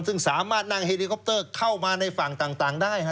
ซึ่งสามารถนั่งเฮลิคอปเตอร์เข้ามาในฝั่งต่างได้